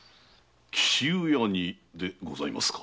紀州屋にでございますか。